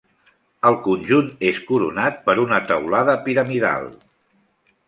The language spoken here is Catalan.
El conjunt és coronat per una teulada piramidal.